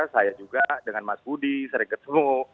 saya juga dengan mas budi seregetmo